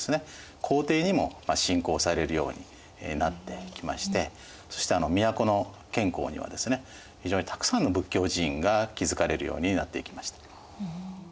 皇帝にも信仰されるようになってきましてそして都の建康にはですね非常にたくさんの仏教寺院が築かれるようになっていきました。